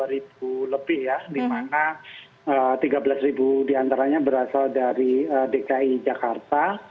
dua ribu lebih ya di mana tiga belas ribu diantaranya berasal dari dki jakarta